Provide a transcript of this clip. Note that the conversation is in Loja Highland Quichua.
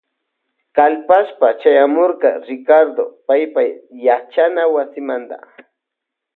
Kalpashpa chayamurka Ricardo paypa yachana wasimanta.